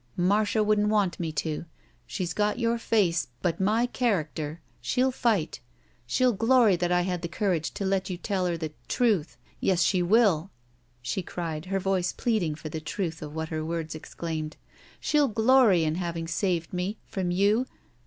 Marda wouldn't want me to ! She's got your face — but my character ! She'll fight ! She'll glory that I had the courage to let you tell her the — truth ! Yes, she will," she cried, her voice pleading for the truth of what her words exclaimed. '* She'll glory in having saved me — ^from you!